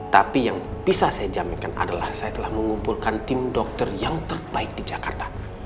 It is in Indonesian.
tapi yang bisa saya jaminkan adalah saya telah mengumpulkan tim dokter yang terbaik di jakarta